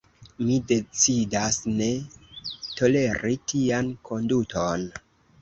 Mi decidas, ne toleri tian konduton.